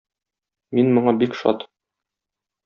Мин моңа бик шат.